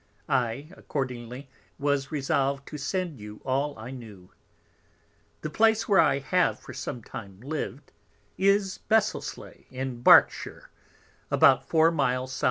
I accordingly was resolved to send you all I knew. The Place where I have for some time lived is Besselsleigh, in Barkshire, about four Miles S.W.